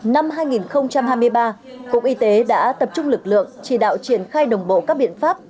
năm hai nghìn hai mươi ba cục y tế đã tập trung lực lượng chỉ đạo triển khai đồng bộ các biện pháp